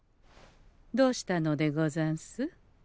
どうしたのでござんす？